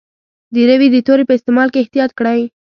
د روي د توري په استعمال کې احتیاط کړی.